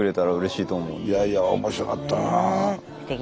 いやいや面白かったな。